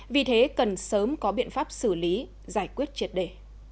vì thế cần sớm có biện pháp xử lý giải quyết triệt đề